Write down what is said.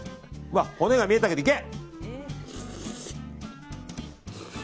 骨が見えたけどいけ！